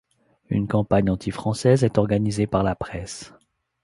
Une campagne anti-française est organisée par la presse.